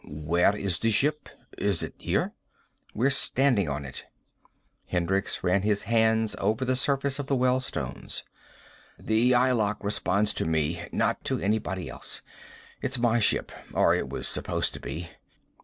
"Where is the ship? Is it here?" "We're standing on it." Hendricks ran his hands over the surface of the well stones. "The eye lock responds to me, not to anybody else. It's my ship. Or it was supposed to be."